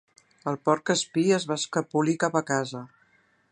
El porc espí es va escapolir cap a casa.